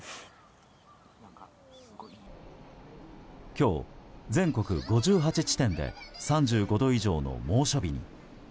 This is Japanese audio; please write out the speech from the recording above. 今日、全国５８地点で３５度以上の猛暑日に。